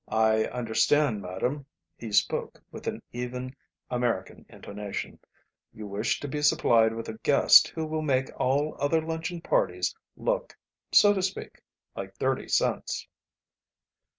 "I understand, madam," he spoke with an even American intonation, "you wish to be supplied with a guest who will make all other luncheon parties look, so to speak, like thirty cents."